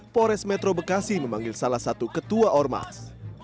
pores metro bekasi memanggil salah satu ketua ormas